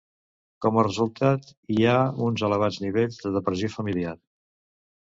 Com a resultat hi ha uns elevats nivells de depressió familiar.